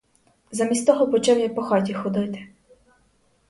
Замість того почав я по хаті ходити.